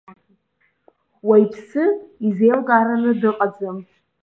Уаҩԥсы изеилкаараны дыҟаӡам.